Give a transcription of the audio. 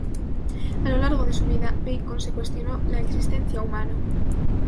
A lo largo de su vida, Bacon se cuestionó la existencia humana.